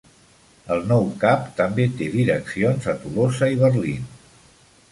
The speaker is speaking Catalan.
El nou cap també té direccions a Tolosa i Berlín.